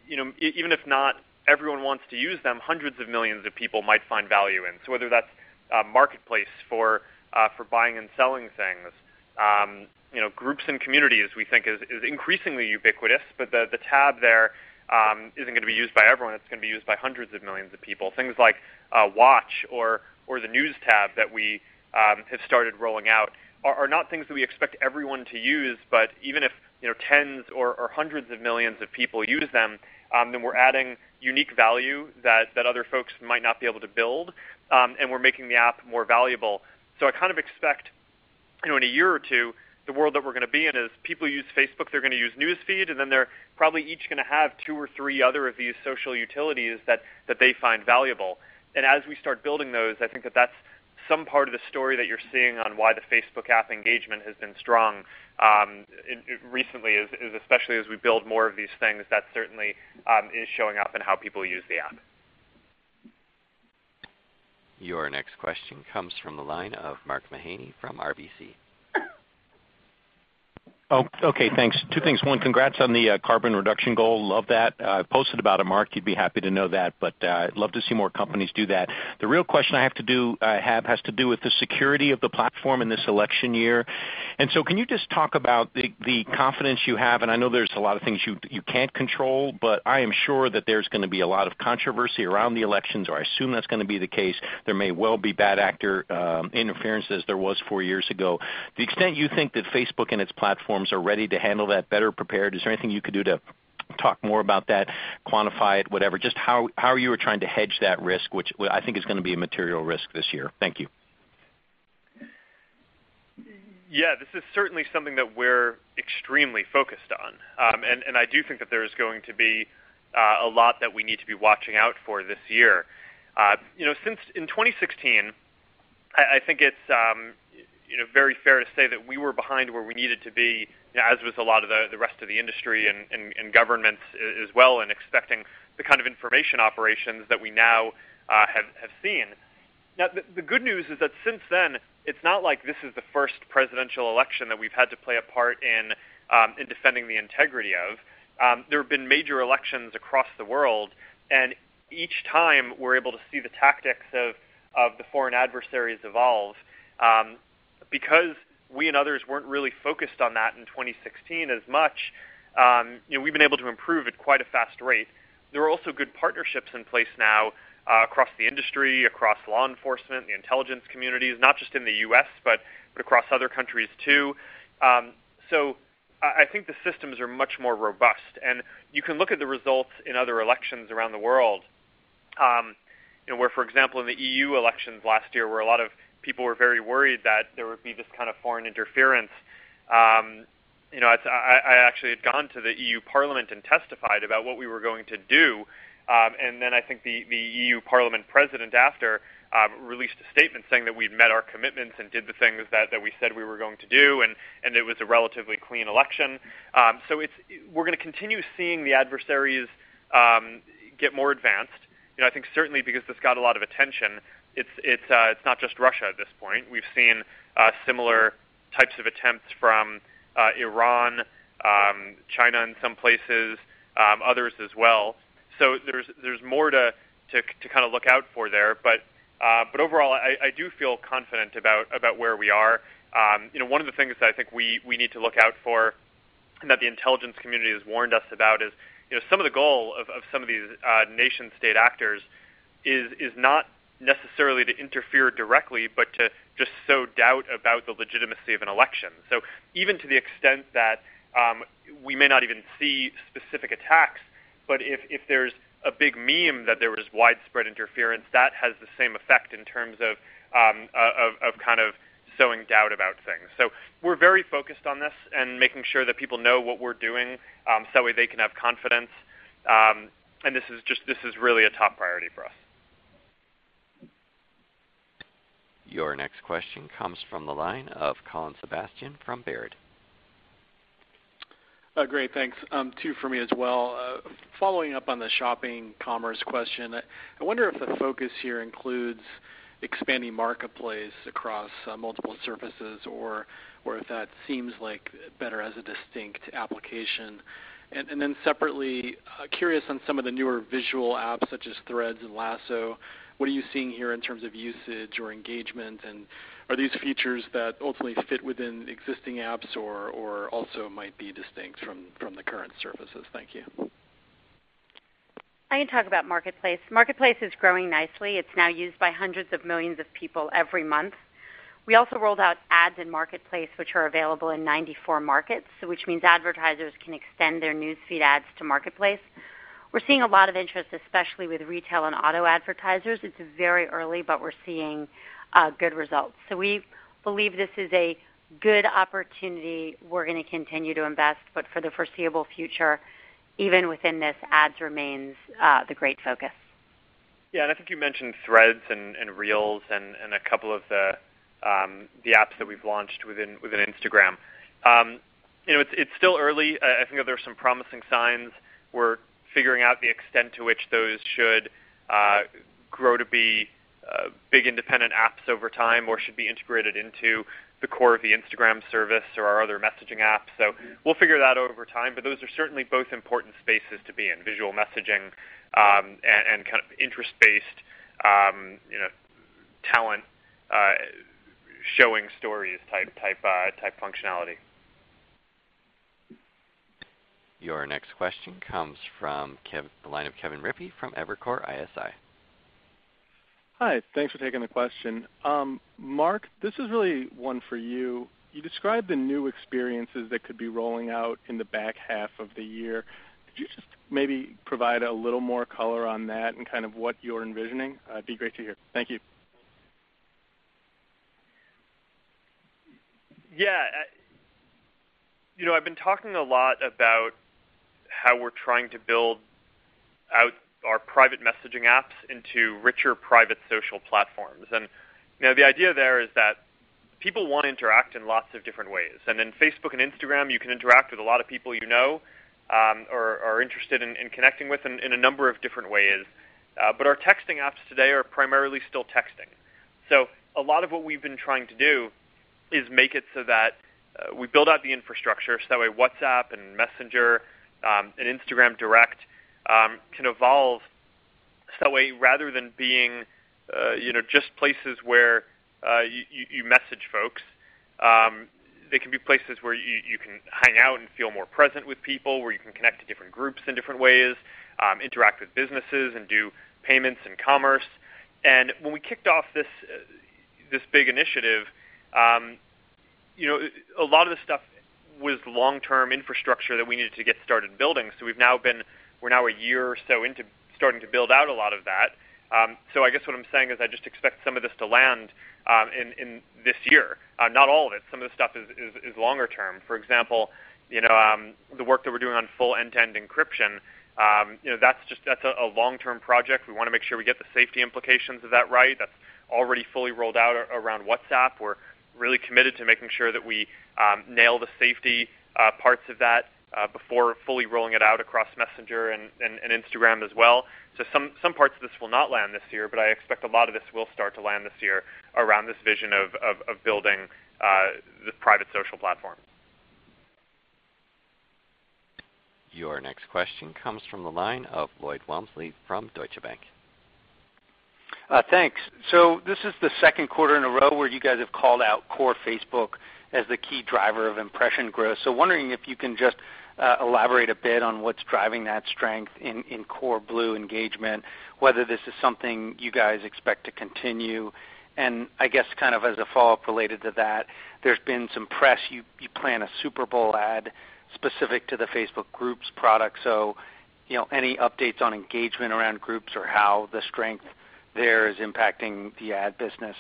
even if not everyone wants to use them, hundreds of millions of people might find value in. Whether that's Marketplace for buying and selling things. Groups and communities we think is increasingly ubiquitous, but the tab there isn't going to be used by everyone. It's going to be used by hundreds of millions of people. Things like Watch or the News tab that we have started rolling out are not things that we expect everyone to use, but even if tens or hundreds of millions of people use them, then we're adding unique value that other folks might not be able to build, and we're making the app more valuable. I kind of expect in a year or two, the world that we're going to be in is people use Facebook, they're going to use News Feed, and then they're probably each going to have two or three other of these social utilities that they find valuable. As we start building those, I think that's some part of the story that you're seeing on why the Facebook app engagement has been strong recently, especially as we build more of these things. That certainly is showing up in how people use the app. Your next question comes from the line of Mark Mahaney from RBC. Okay, thanks. Two things. One, congrats on the carbon reduction goal. Love that. I posted about it, Mark. You'd be happy to know that. Love to see more companies do that. The real question I have has to do with the security of the platform in this election year. Can you just talk about the confidence you have? I know there's a lot of things you can't control. I am sure that there's going to be a lot of controversy around the elections. I assume that's going to be the case. There may well be bad actor interference as there was four years ago. The extent you think that Facebook and its platforms are ready to handle that, better prepared. Is there anything you could do to talk more about that, quantify it, whatever? Just how you are trying to hedge that risk, which I think is going to be a material risk this year. Thank you. Yeah. This is certainly something that we're extremely focused on. I do think that there is going to be a lot that we need to be watching out for this year. In 2016, I think it's very fair to say that we were behind where we needed to be, as was a lot of the rest of the industry and government as well in expecting the kind of information operations that we now have seen. The good news is that since then, it's not like this is the first presidential election that we've had to play a part in defending the integrity of. There have been major elections across the world, and each time we're able to see the tactics of the foreign adversaries evolve. Because we and others weren't really focused on that in 2016 as much, we've been able to improve at quite a fast rate. There are also good partnerships in place now across the industry, across law enforcement, the intelligence communities, not just in the U.S., but across other countries too. I think the systems are much more robust, and you can look at the results in other elections around the world. Where, for example, in the EU elections last year, where a lot of people were very worried that there would be this kind of foreign interference. I actually had gone to the EU Parliament and testified about what we were going to do. I think the EU Parliament president after released a statement saying that we'd met our commitments and did the things that we said we were going to do, and it was a relatively clean election. We're going to continue seeing the adversaries get more advanced. I think certainly because it's got a lot of attention, it's not just Russia at this point. We've seen similar types of attempts from Iran, China in some places, others as well. There's more to look out for there. Overall, I do feel confident about where we are. One of the things that I think we need to look out for and that the intelligence community has warned us about is some of the goal of some of these nation-state actors is not necessarily to interfere directly, but to just sow doubt about the legitimacy of an election. Even to the extent that we may not even see specific attacks, but if there's a big meme that there was widespread interference, that has the same effect in terms of sowing doubt about things. We're very focused on this and making sure that people know what we're doing. That way, they can have confidence. This is really a top priority for us. Your next question comes from the line of Colin Sebastian from Baird. Great. Thanks. Two for me as well. Following up on the shopping commerce question, I wonder if the focus here includes expanding Marketplace across multiple surfaces or if that seems like better as a distinct application. Separately, curious on some of the newer visual apps such as Threads and Lasso. What are you seeing here in terms of usage or engagement, and are these features that ultimately fit within existing apps or also might be distinct from the current services? Thank you. I can talk about Marketplace. Marketplace is growing nicely. It's now used by hundreds of millions of people every month. We also rolled out ads in Marketplace, which are available in 94 markets. Which means advertisers can extend their News Feed ads to Marketplace. We're seeing a lot of interest, especially with retail and auto advertisers. It's very early, but we're seeing good results. We believe this is a good opportunity we're going to continue to invest, but for the foreseeable future, even within this, ads remains the great focus. Yeah. I think you mentioned Threads and Reels and a couple of the apps that we've launched within Instagram. It's still early. I think there are some promising signs. We're figuring out the extent to which those should grow to be big independent apps over time or should be integrated into the core of the Instagram service or our other messaging apps. We'll figure that over time, but those are certainly both important spaces to be in, visual messaging, and kind of interest-based talent showing Stories type functionality. Your next question comes from the line of Kevin Rippey from Evercore ISI. Hi. Thanks for taking the question. Mark, this is really one for you. You described the new experiences that could be rolling out in the back half of the year. Could you just maybe provide a little more color on that and kind of what you're envisioning? It'd be great to hear. Thank you. Yeah. I've been talking a lot about how we're trying to build out our private messaging apps into richer private social platforms. The idea there is that people want to interact in lots of different ways. In Facebook and Instagram, you can interact with a lot of people you know or are interested in connecting with in a number of different ways. Our texting apps today are primarily still texting. A lot of what we've been trying to do is make it so that we build out the infrastructure, so that way WhatsApp and Messenger, and Instagram Direct can evolve. That way, rather than being just places where you message folks, they can be places where you can hang out and feel more present with people, where you can connect to different groups in different ways, interact with businesses, and do payments and commerce. When we kicked off this big initiative. A lot of the stuff was long-term infrastructure that we needed to get started building. We're now a year or so into starting to build out a lot of that. I guess what I'm saying is I just expect some of this to land in this year. Not all of it. Some of the stuff is longer term. For example, the work that we're doing on full end-to-end encryption, that's a long-term project. We want to make sure we get the safety implications of that right. That's already fully rolled out around WhatsApp. We're really committed to making sure that we nail the safety parts of that before fully rolling it out across Messenger and Instagram as well. Some parts of this will not land this year, but I expect a lot of this will start to land this year around this vision of building this private social platform. Your next question comes from the line of Lloyd Walmsley from Deutsche Bank. Thanks. This is the second quarter in a row where you guys have called out core Facebook as the key driver of impression growth. Wondering if you can just elaborate a bit on what's driving that strength in core blue engagement, whether this is something you guys expect to continue. I guess kind of as a follow-up related to that, there's been some press, you plan a Super Bowl ad specific to the Facebook Groups product. Any updates on engagement around groups or how the strength there is impacting the ad business?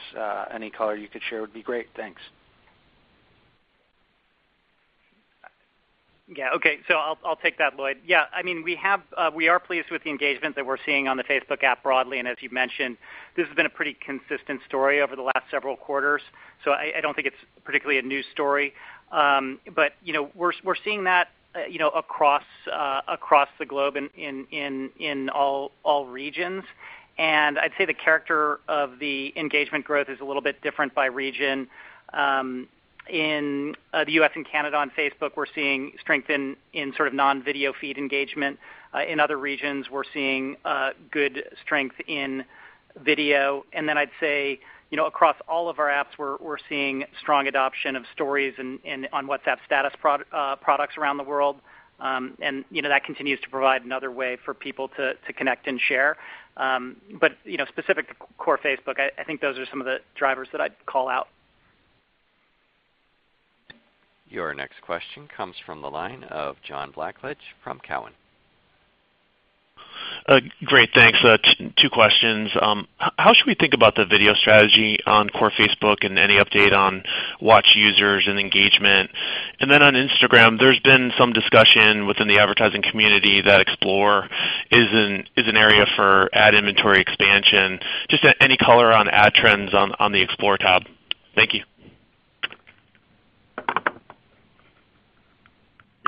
Any color you could share would be great. Thanks. I'll take that, Lloyd. We are pleased with the engagement that we're seeing on the Facebook app broadly. As you've mentioned, this has been a pretty consistent story over the last several quarters. I don't think it's particularly a new story. We're seeing that across the globe in all regions. I'd say the character of the engagement growth is a little bit different by region. In the U.S. and Canada on Facebook, we're seeing strength in sort of non-video feed engagement. In other regions, we're seeing good strength in video. I'd say, across all of our apps, we're seeing strong adoption of Stories and on WhatsApp status products around the world. That continues to provide another way for people to connect and share. Specific to core Facebook, I think those are some of the drivers that I'd call out. Your next question comes from the line of John Blackledge from Cowen. Great, thanks. Two questions. How should we think about the video strategy on core Facebook and any update on Watch users and engagement? On Instagram, there's been some discussion within the advertising community that Explore is an area for ad inventory expansion. Just any color on ad trends on the Explore tab. Thank you.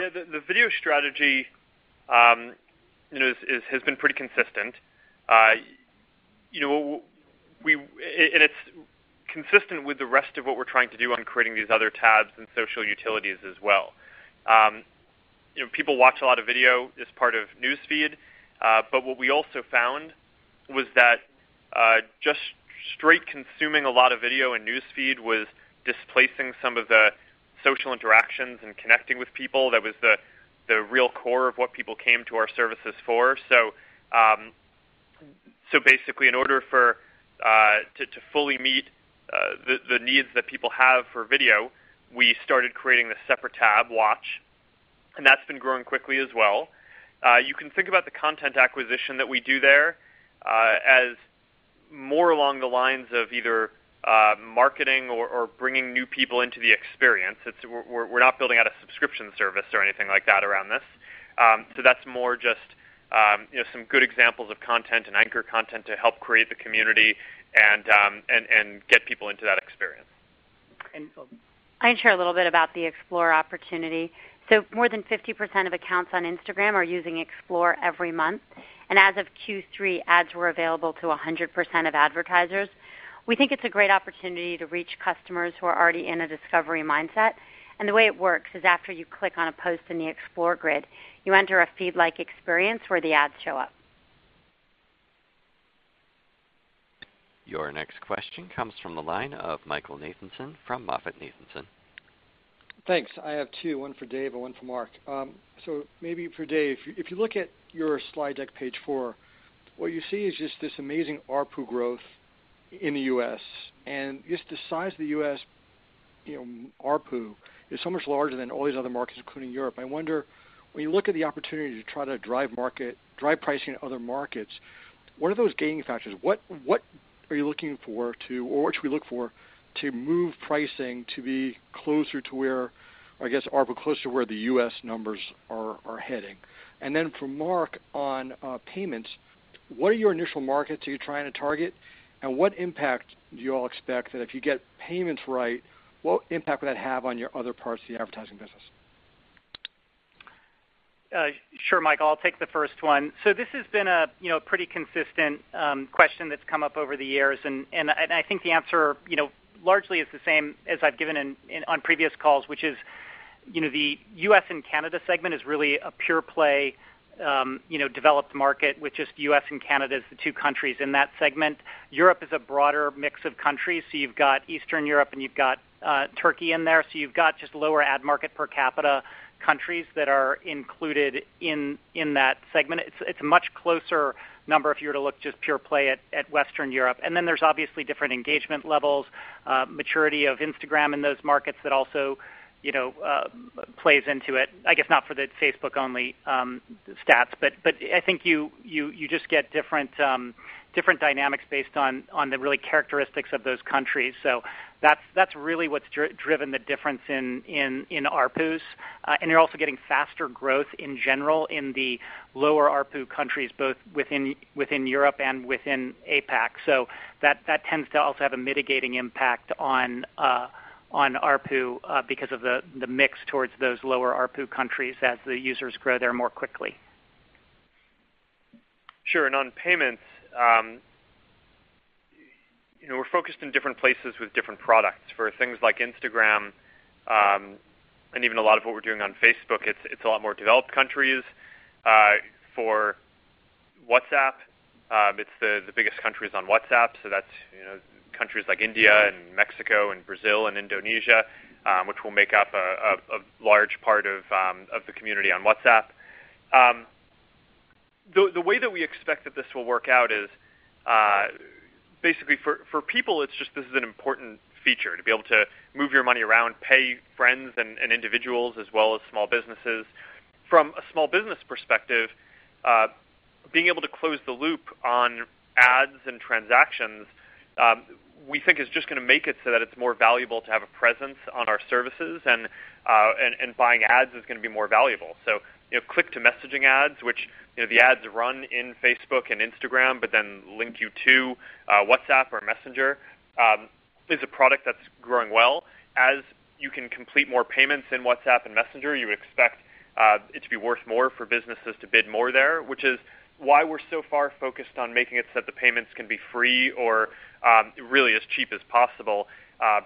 Yeah. The video strategy has been pretty consistent. It's consistent with the rest of what we're trying to do on creating these other tabs and social utilities as well. People watch a lot of video as part of News Feed. What we also found was that just straight consuming a lot of video in News Feed was displacing some of the social interactions and connecting with people. That was the real core of what people came to our services for. Basically, in order to fully meet the needs that people have for video, we started creating this separate tab, Watch, and that's been growing quickly as well. You can think about the content acquisition that we do there as more along the lines of either marketing or bringing new people into the experience. We're not building out a subscription service or anything like that around this. That's more just some good examples of content and anchor content to help create the community and get people into that experience. I can share a little bit about the Explore opportunity. More than 50% of accounts on Instagram are using Explore every month. As of Q3, ads were available to 100% of advertisers. We think it's a great opportunity to reach customers who are already in a discovery mindset. The way it works is after you click on a post in the Explore grid, you enter a feed-like experience where the ads show up. Your next question comes from the line of Michael Nathanson from MoffettNathanson. Thanks. I have two, one for Dave and one for Mark. Maybe for Dave, if you look at your slide deck, page four, what you see is just this amazing ARPU growth in the U.S. Just the size of the U.S. ARPU is so much larger than all these other markets, including Europe. I wonder, when you look at the opportunity to try to drive pricing in other markets, what are those gaining factors? What are you looking for, or what should we look for to move pricing to be closer to where, I guess ARPU closer to where the U.S. numbers are heading? For Mark, on payments, what are your initial markets you're trying to target, and what impact do you all expect that if you get payments right, what impact would that have on your other parts of the advertising business? Sure, Michael, I'll take the first one. This has been a pretty consistent question that's come up over the years, and I think the answer largely is the same as I've given on previous calls. The U.S. and Canada segment is really a pure play developed market with just U.S. and Canada as the two countries in that segment. Europe is a broader mix of countries. You've got Eastern Europe and you've got Turkey in there, so you've got just lower ad market per capita countries that are included in that segment. It's a much closer number if you were to look just pure play at Western Europe. Then there's obviously different engagement levels, maturity of Instagram in those markets that also plays into it. I guess not for the Facebook-only stats, but I think you just get different dynamics based on the really characteristics of those countries. That's really what's driven the difference in ARPUs. You're also getting faster growth in general in the lower ARPU countries, both within Europe and within APAC. That tends to also have a mitigating impact on ARPU because of the mix towards those lower ARPU countries as the users grow there more quickly. Sure. On payments, we're focused in different places with different products. For things like Instagram, and even a lot of what we're doing on Facebook, it's a lot more developed countries. For WhatsApp, it's the biggest countries on WhatsApp, so that's countries like India and Mexico and Brazil and Indonesia, which will make up a large part of the community on WhatsApp. The way that we expect that this will work out is basically for people, it's just this is an important feature to be able to move your money around, pay friends and individuals as well as small businesses. From a small business perspective, being able to close the loop on ads and transactions we think is just going to make it so that it's more valuable to have a presence on our services and buying ads is going to be more valuable. Click-to-messaging ads, which the ads run in Facebook and Instagram, but then link you to WhatsApp or Messenger, is a product that's growing well. As you can complete more payments in WhatsApp and Messenger, you expect it to be worth more for businesses to bid more there, which is why we're so far focused on making it so that the payments can be free or really as cheap as possible.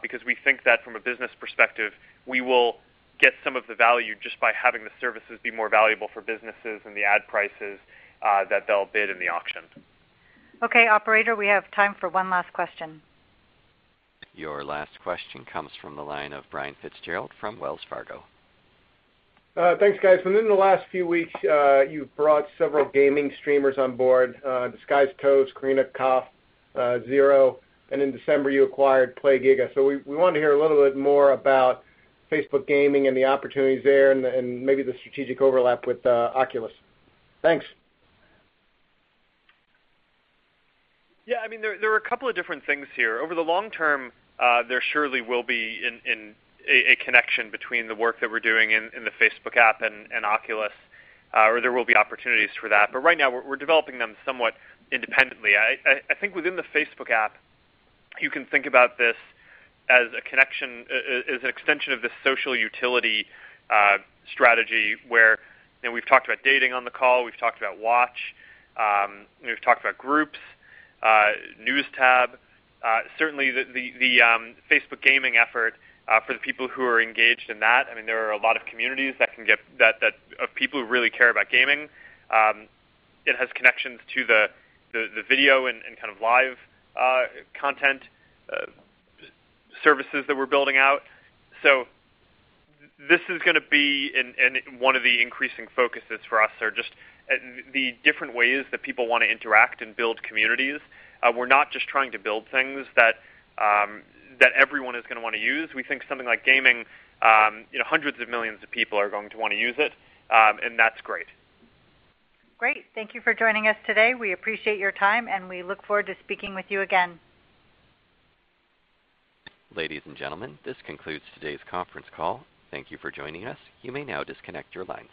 Because we think that from a business perspective, we will get some of the value just by having the services be more valuable for businesses and the ad prices that they'll bid in the auction. Okay, Operator, we have time for one last question. Your last question comes from the line of Brian Fitzgerald from Wells Fargo. Thanks, guys. Within the last few weeks, you've brought several gaming streamers on board, Disguised Toast, Corinna, Kopf, ZeRo, and in December you acquired PlayGiga. We wanted to hear a little bit more about Facebook Gaming and the opportunities there and maybe the strategic overlap with Oculus. Thanks. Yeah, there are a couple of different things here. Over the long term, there surely will be a connection between the work that we're doing in the Facebook app and Oculus, or there will be opportunities for that. Right now, we're developing them somewhat independently. I think within the Facebook app, you can think about this as an extension of the social utility strategy where we've talked about dating on the call, we've talked about Watch, we've talked about Groups, News Tab. Certainly the Facebook gaming effort for the people who are engaged in that, there are a lot of communities of people who really care about gaming. It has connections to the video and kind of live content services that we're building out. This is going to be one of the increasing focuses for us, are just the different ways that people want to interact and build communities. We're not just trying to build things that everyone is going to want to use. We think something like gaming, hundreds of millions of people are going to want to use it, and that's great. Great. Thank you for joining us today. We appreciate your time, and we look forward to speaking with you again. Ladies and gentlemen, this concludes today's conference call. Thank you for joining us. You may now disconnect your lines.